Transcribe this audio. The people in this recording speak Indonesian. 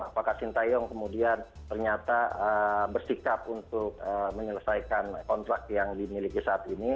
apakah sintayong kemudian ternyata bersikap untuk menyelesaikan kontrak yang dimiliki saat ini